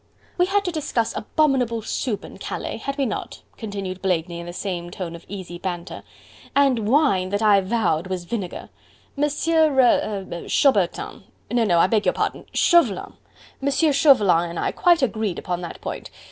"We had to discuss abominable soup in Calais, had we not?" continued Blakeney in the same tone of easy banter, "and wine that I vowed was vinegar. Monsieur... er... Chaubertin... no, no, I beg pardon... Chauvelin... Monsieur Chauvelin and I quite agreed upon that point.